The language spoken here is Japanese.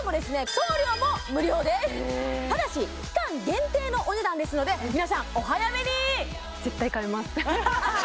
送料も無料ですただし期間限定のお値段ですので皆さんお早めに絶対買います